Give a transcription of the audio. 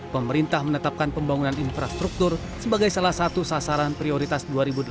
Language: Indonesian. pemerintah menetapkan pembangunan infrastruktur sebagai salah satu sasaran prioritas dua ribu delapan belas